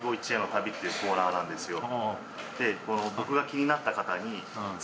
なんですよ。っていうコーナーなんですよ。